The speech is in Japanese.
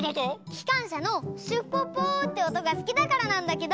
きかんしゃのシュッポッポーっておとがすきだからなんだけど。